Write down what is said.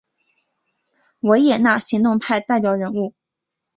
维也纳行动派代表人物。